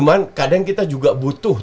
cuman kadang kita juga butuh